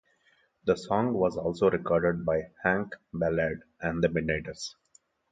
The song was also recorded by Hank Ballard and the Midnighters.